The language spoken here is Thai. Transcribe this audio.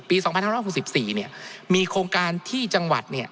ปีสองพันห้าร้อยหกสิบสี่เนี่ยมีโครงการที่จังหวัดเนี่ย